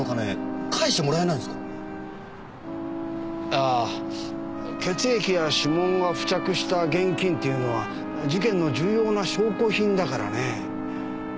ああ血液や指紋が付着した現金っていうのは事件の重要な証拠品だからね。